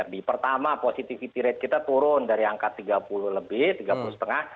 di pertama positivity rate kita turun dari angka tiga puluh lebih tiga puluh lima